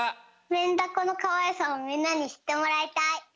メンダコのかわいさをみんなにしってもらいたい。